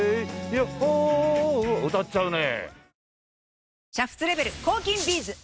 ヨホー歌っちゃうね。